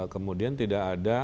kemudian tidak ada